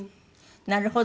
なるほど。